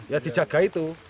ya dijaga itu